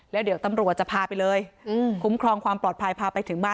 แล้วเดี๋ยวตำรวจจะพาไปเลยคุ้มครองความปลอดภัยพาไปถึงบ้าน